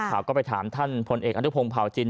และรักคนอื่นให้มันเท่ากัน